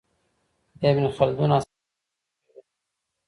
ابن خلدون عصبيت تشريح کوي.